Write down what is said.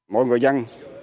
mọi người dân